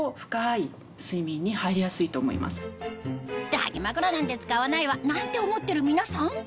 抱き枕なんて使わないわなんて思ってる皆さん